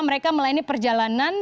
mereka melayani perjalanan